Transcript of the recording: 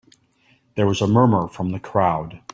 There was a murmur from the crowd.